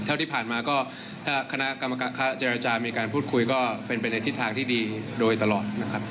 เท่าที่ผ่านมาก็ถ้าคณะกรรมการค้าเจรจามีการพูดคุยก็เป็นไปในทิศทางที่ดีโดยตลอดนะครับ